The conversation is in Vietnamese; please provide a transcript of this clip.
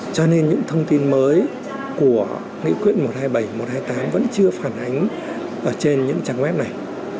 cho nên những thông tin mới của nghị quyết một trăm hai mươi bảy một trăm hai mươi tám vẫn chưa phản ánh ở trên những trang web này